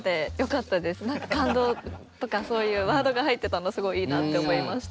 感動とかそういうワードが入ってたのすごいいいなって思いました。